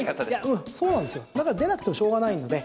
出なくてもしょうがないので。